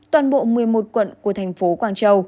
toàn bộ một mươi một quận của thành phố quảng châu